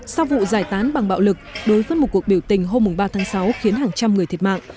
sau vụ giải tán bằng bạo lực đối với một cuộc biểu tình hôm ba tháng sáu khiến hàng trăm người thiệt mạng